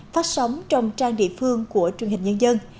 phát sóng trong trang địa phương của truyền hình nhân dân